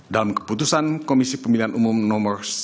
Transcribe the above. dalam keputusan komisi pemilihan umum no seribu enam ratus tiga puluh dua